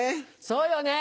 そうよね。